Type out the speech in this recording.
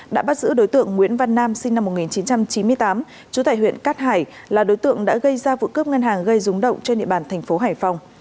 đã bắt giữ đối tượng nguyễn văn nam sinh năm một nghìn chín trăm chín mươi tám trú tại huyện cát hải là đối tượng đã gây ra vụ cướp ngân hàng gây rúng động trên địa bàn thành phố hải phòng